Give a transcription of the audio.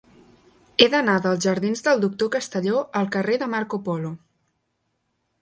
He d'anar dels jardins del Doctor Castelló al carrer de Marco Polo.